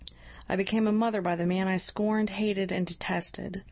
I became a mother by the man I scorned, hated, and detested.